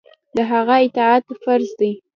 د هغه اطاعت فرض دی.